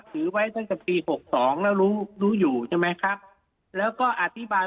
ถือไว้ตั้งแต่ปีหกสองแล้วรู้รู้อยู่ใช่ไหมครับแล้วก็อธิบาย